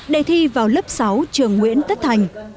đề thi vào lớp sáu trường nguyễn tất thành